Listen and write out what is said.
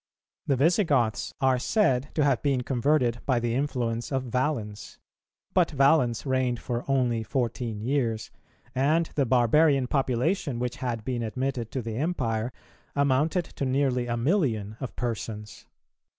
The Visigoths are said to have been converted by the influence of Valens; but Valens reigned for only fourteen years, and the barbarian population which had been admitted to the Empire amounted to nearly a million of persons.